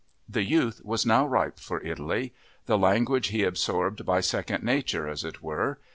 The youth was now ripe for Italy. The language he absorbed by second nature, as it were.